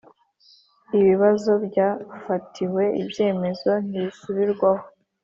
Ibibazo byafatiwe ibyemezo ntibisubirwaho